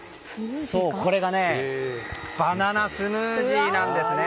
バナナスムージーなんですね。